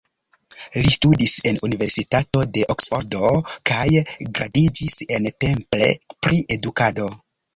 Li studis en Universitato de Oksfordo kaj gradiĝis en Temple pri edukado.